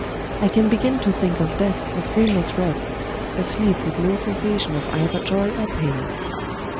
I can begin to think of death as dream less rest, — a sleep with no sensation of either joy or pain."